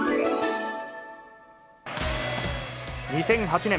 ２００８年、